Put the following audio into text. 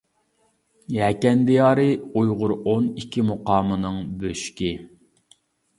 يەكەن دىيارى ئۇيغۇر ئون ئىككى مۇقامىنىڭ بۆشۈكى.